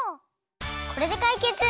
これでかいけつ！